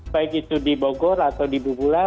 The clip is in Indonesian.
baik itu di bogor atau di bubulan